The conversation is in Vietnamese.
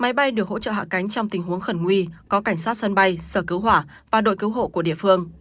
máy bay được hỗ trợ hạ cánh trong tình huống khẩn nguy có cảnh sát sân bay sở cứu hỏa và đội cứu hộ của địa phương